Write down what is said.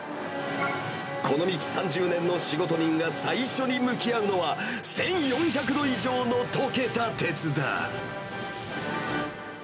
この道３０年の仕事人が最初に向き合うのは、１４００度以上の溶けた鉄だ。